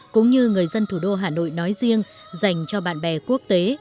cũng như người dân thủ đô hà nội nói riêng dành cho bạn bè quốc tế